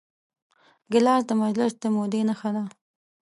ګیلاس د مجلس د مودې نښه ده.